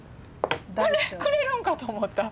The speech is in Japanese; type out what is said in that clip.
これくれるんかと思った。